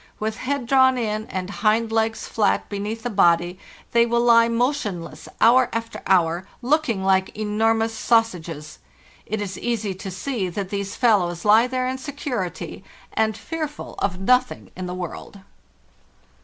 With head drawn in and hind legs flat beneath the body, they will lie motionless hour after hour, locking like enormous sausages. It Is easy to see that these fellows lie there in security, and fearful of nothing in the world.